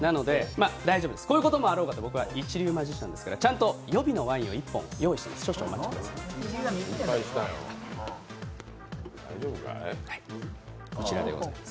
こういうこともあろうかと、僕は一流マジシャンですからちゃんと予備のワインを１本用意してあります。